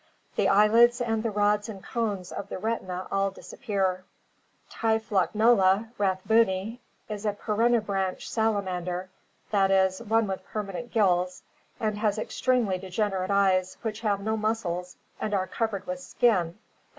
The eyelids and the rods and cones of the retina all disappear. Typhlotnolge rathbuni (Fig. 93) is a perennibranch salamander, that is, one with permanent gills, and has extremely degenerate eyes which have no muscles and are covered with skin and therefore Fig.